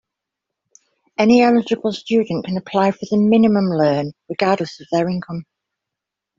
Any eligible student can apply for the minimum loan regardless of their income.